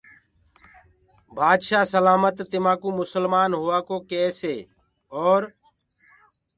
بآدشآه سلآمت تمآنٚڪو مُسلمآن هووآ ڪو ڪيسي اور